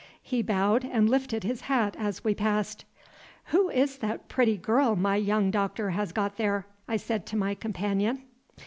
He bowed and lifted his hat as we passed. "Who is that pretty girl my young doctor has got there?" I said to my companion.